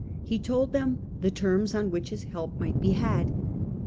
He told them the terms on which his help might be had.